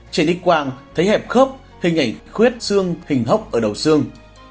trên ít quang thấy hẹp khớp hình ảnh khuyết xương hình hốc ở đầu xương